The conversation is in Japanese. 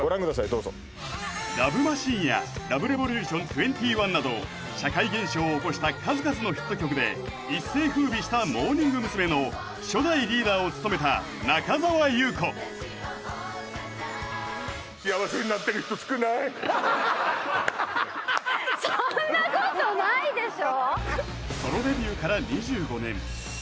どうぞ「ＬＯＶＥマシーン」や「恋愛レボリューション２１」など社会現象を起こした数々のヒット曲で一世風靡したモーニング娘。の初代リーダーを務めた中澤裕子そんなことないでしょ？